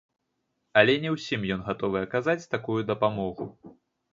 Але не ўсім ён гатовы аказаць такую дапамогу.